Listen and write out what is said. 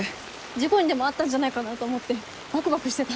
事故にでも遭ったんじゃないかなと思ってバクバクしてた。